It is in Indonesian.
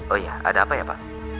oh iya ada apa ya pak